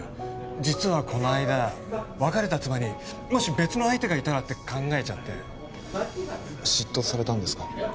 実はこの間別れた妻にもし別の相手がいたらって考えちゃって嫉妬されたんですか？